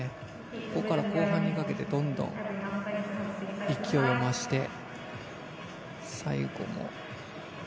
ここから後半にかけてどんどん勢いを増して最後の。